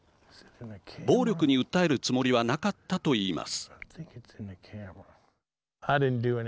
暴力に訴えるつもりはなかったと言います。